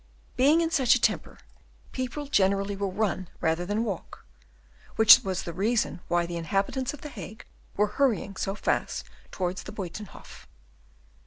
Being in such a temper, people generally will run rather than walk; which was the reason why the inhabitants of the Hague were hurrying so fast towards the Buytenhof.